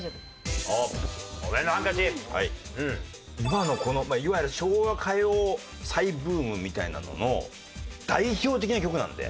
今のこのまあいわゆる昭和歌謡再ブームみたいなのの代表的な曲なので。